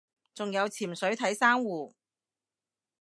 仲有潛水睇珊瑚